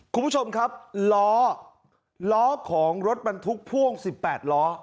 คุณผู้ชมครับล้อล้อของรถบรรทุกพ่วง๑๘ล้อ